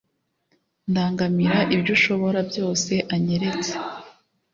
ndangamira ibyo ushoborabyose anyeretse.